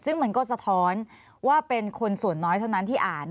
ซึ่งมันก็สะท้อนว่าเป็นคนส่วนน้อยเท่านั้นที่อ่าน